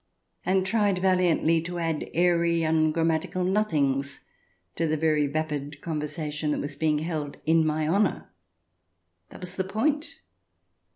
hi and tried valiantly to add airy ungrammatical nothings to the very vapid conversation that was being held in my honour. That was the point.